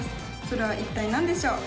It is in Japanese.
それは一体何でしょう？